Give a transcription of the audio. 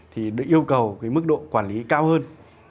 thì được yêu cầu cái mức độ quản lý cao hơn